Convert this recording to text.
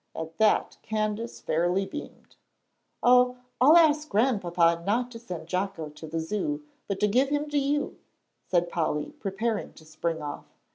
At that Candace fairly beamed. "Oh, I'll ask Grandpapa not to send Jocko to the Zoo, but to give him to you," said Polly, preparing to spring off.